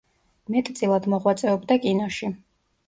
მეტწილად მოღვაწეობდა კინოში.